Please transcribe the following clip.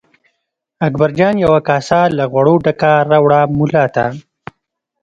اکبرجان یوه کاسه له غوړو ډکه راوړه ملا ته.